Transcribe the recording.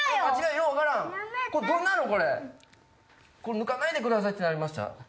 「抜かないでください」ってなりました。